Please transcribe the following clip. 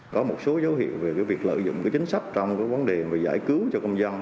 có một số dấu hiệu về việc lợi dụng chính sách trong vấn đề giải cứu cho công dân